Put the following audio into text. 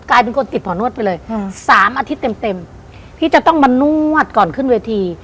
กลายเป็นคนติดหมอนวดไปเลยสามอาทิตย์เต็มเต็มพี่จะต้องมานวดก่อนขึ้นเวที